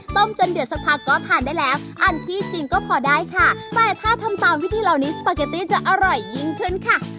จนเดือดสักพักก็ทานได้แล้วอันที่จริงก็พอได้ค่ะแต่ถ้าทำตามวิธีเหล่านี้สปาเกตตี้จะอร่อยยิ่งขึ้นค่ะ